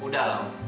udah lah om